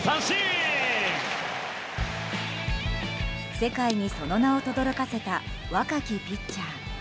世界にその名をとどろかせた若きピッチャー。